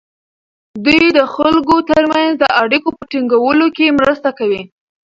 دوی د خلکو ترمنځ د اړیکو په ټینګولو کې مرسته کوي.